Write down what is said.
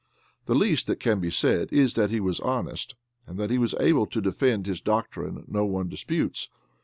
The least that can be said is that he was honest; and that he was able to defend his doctrine no one disputes.